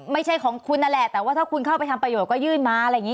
ไม่ใช่ของคุณนั่นแหละแต่ว่าถ้าคุณเข้าไปทำประโยชนก็ยื่นมาอะไรอย่างนี้